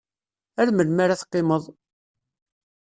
Ar melmi ara teqqimeḍ?